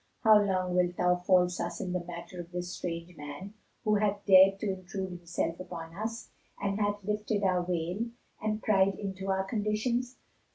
How long wilt thou false us in the matter of this strange man who hath dared to intrude himself upon us and hath lifted our veil and pried into our conditions?